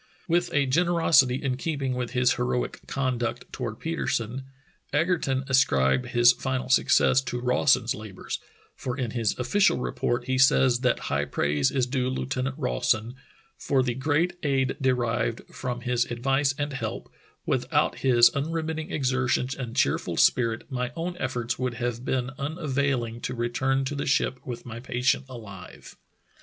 With a generosity in keeping with his heroic conduct toward Petersen, Egerton ascribed his final success to Rawson's labors, for in his official report he says that high praise is due Lieutenant Rawson "for the great aid derived from his advice and help; without his un remitting exertions and cheerful spirit, my own efforts would have been unavailing to return to the ship with my patient alive."